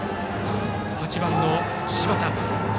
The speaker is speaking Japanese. ８番の柴田。